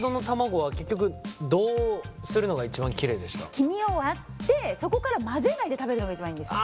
黄身を割ってそこから混ぜないで食べるのが一番いいんですよ。